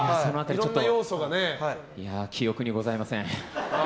いや、記憶にございません。